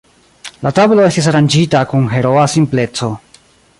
La tablo estis aranĝita kun heroa simpleco.